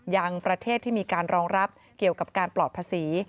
ยังประเทศที่มีการรองรับเกี่ยวกับการปลอดภาษี